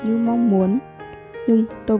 như mong muốn nhưng tôi